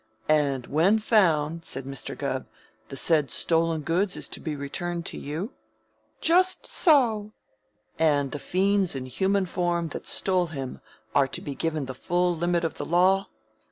"And, when found," said Mr. Gubb, "the said stolen goods is to be returned to you?" "Just so." "And the fiends in human form that stole him are to be given the full limit of the law?"